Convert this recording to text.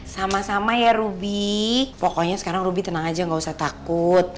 sama sama ya ruby pokoknya sekarang ruby tenang aja gak usah takut